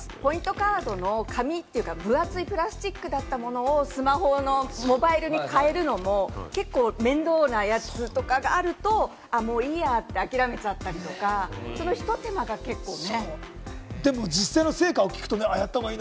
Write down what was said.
カードの紙っていうか分厚いプラスチックだったものをスマホのモバイルに変えるのも結構面倒なやつとかがあると、もういいやって諦めちゃったりとか、そのひと手間が結構ね。